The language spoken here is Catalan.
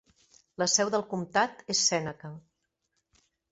La seu del comtat és Seneca.